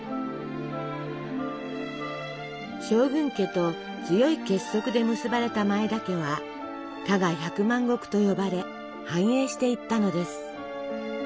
将軍家と強い結束で結ばれた前田家は「加賀百万石」と呼ばれ繁栄していったのです。